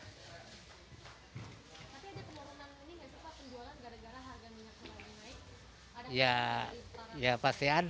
tapi ada kemurahan ini gak suka penjualan gara gara harga minyak goreng naik